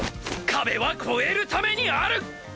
壁は越えるためにある！